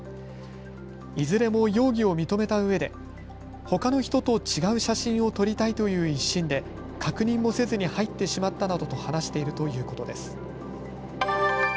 いずれも容疑を認めたうえでほかの人と違う写真を撮りたいという一心で確認もせずに入ってしまったなどと話しているということです。